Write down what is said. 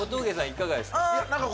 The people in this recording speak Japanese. いかがですか？